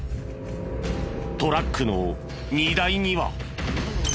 トラックの荷台には。